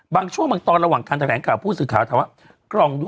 บางช่วงบางตอนระหว่างทางแถงกล่าวผู้สื่อขาย